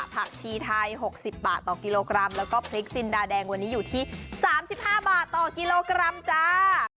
ผักชีไทย๖๐บาทต่อกิโลกรัมแล้วก็พริกจินดาแดงวันนี้อยู่ที่๓๕บาทต่อกิโลกรัมจ้า